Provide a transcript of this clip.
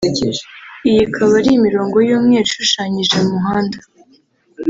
iyi ikaba ari imirongo y’umweru ishushanyije mu muhanda